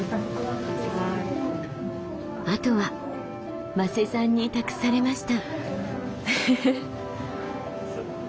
あとは馬瀬さんに託されました。